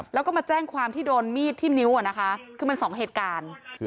แล้วก็มาแจ้งความที่โดนมีดที่นิ้วนะคะคือมัน๒เหตุการณ์